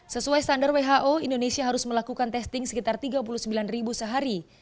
sesuai standar who indonesia harus melakukan testing sekitar tiga puluh sembilan ribu sehari